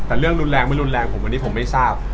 แต่เรื่องรุนแรงไม่รุนแรงผมวันนี้ผมไม่ทราบ